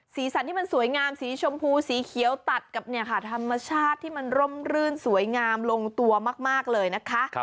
สีสันที่มันสวยงามสีชมพูสีเขียวตัดกับธรรมชาติที่มันร่มรื่นสวยงามลงตัวมากเลยนะคะ